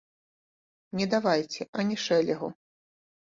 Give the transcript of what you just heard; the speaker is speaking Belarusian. Не давайце ані шэлегу.